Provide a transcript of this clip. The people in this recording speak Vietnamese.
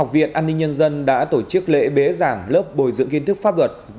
viện an ninh nhân dân đã tổ chức lễ bế giảng lớp bồi dưỡng kiến thức pháp luật